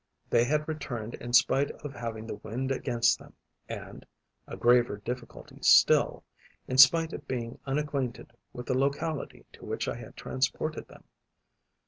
They had returned in spite of having the wind against them and a graver difficulty still in spite of being unacquainted with the locality to which I had transported them.